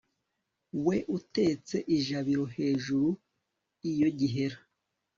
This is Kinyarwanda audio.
we utetse ijabiro hejuru iyo gihera